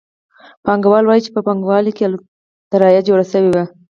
پانګوال وايي چې په پانګوالي کې الوتکه جوړه شوه